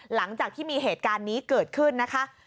หลังจากที่มีเหตุการณ์นี้เกิดขึ้นนะคะ